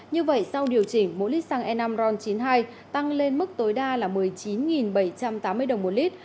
như vậy sau điều chỉnh mỗi lít xăng e năm ron chín mươi hai tăng lên mức tối đa là một mươi chín bảy trăm tám mươi đồng một lít